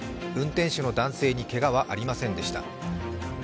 運転手の男性にけがはありませんでした。